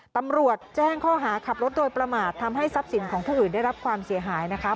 ตำรวจแจ้งข้อหาขับรถโดยประมาททำให้ทรัพย์สินของผู้อื่นได้รับความเสียหายนะคะ